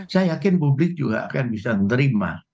saya yakin publik juga akan bisa menerima